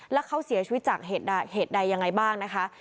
แล้วเขาเสียชีวิตจากเหตุใดยังไงบ้างนะคะ